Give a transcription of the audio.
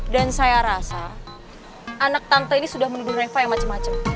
dan saya rasa anak tante ini sudah menuduh reva yang macem macem